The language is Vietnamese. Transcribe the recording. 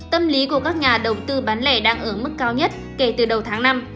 tâm lý của các nhà đầu tư bán lẻ đang ở mức cao nhất kể từ đầu tháng năm